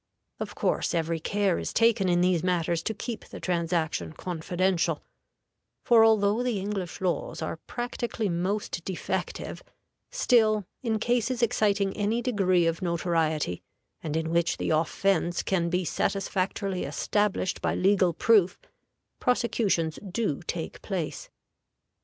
Of course, every care is taken in these matters to keep the transaction confidential; for, although the English laws are practically most defective, still, in cases exciting any degree of notoriety, and in which the offense can be satisfactorily established by legal proof, prosecutions do take place.